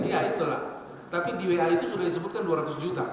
iya itulah tapi di wa itu sudah disebutkan dua ratus juta